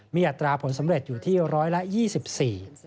มีอัตราผลสำเร็จอยู่ที่๑๒๔